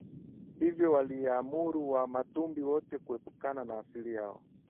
hivyo waliwaamuru Wamatumbi wote kuepukana na asili yao